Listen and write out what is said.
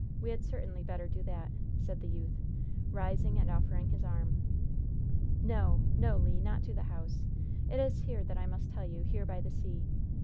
We had certainly better do that!" said the youth, rising and offering his arm. "No! no, Le! not to the house! It is here that I must tell you! here by the sea!